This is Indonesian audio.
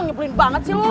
nyebulin banget sih lo